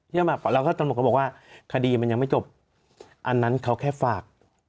แล้วก็ตำรวจก็บอกว่าคดีมันยังไม่จบอันนั้นเขาแค่ฝาก